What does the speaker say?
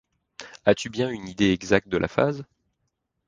As-tu bien une. idée exacte de la phase